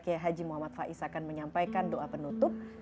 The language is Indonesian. kiai haji muhammad faiz akan menyampaikan doa penutup